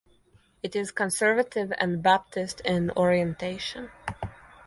It is conservative and Baptist in orientation.